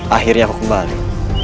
akhirnya aku kembali